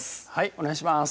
お願いします